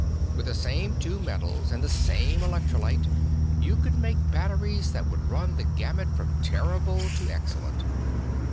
With the same two metals and the same electrolyte, you could make batteries that would run the gamut from terrible to excellent.